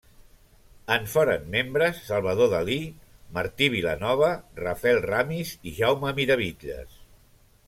En foren membres Salvador Dalí, Martí Vilanova, Rafael Ramis i Jaume Miravitlles.